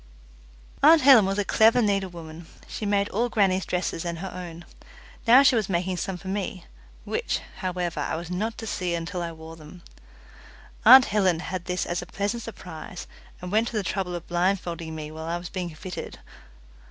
Aunt Helen was a clever needlewoman. She made all grannie's dresses and her own. Now she was making some for me, which, however, I was not to see until I wore them. Aunt Helen had this as a pleasant surprise, and went to the trouble of blindfolding me while I was being fitted.